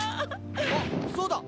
あっそうだ！